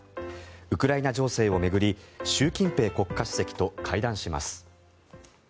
ウクライナ情勢を巡り習近平国家主席と会談します。